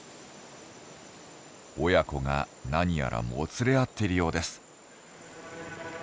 親子が何やらもつれ合っているようです。